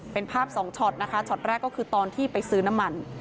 เป็นภาพสองช็อตนะคะช็อตแรกก็คือตอนที่ไปซื้อน้ำมัน